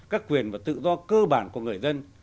các quyền và tự do cơ bản của người dân